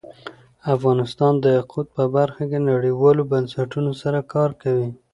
افغانستان د یاقوت په برخه کې نړیوالو بنسټونو سره کار کوي.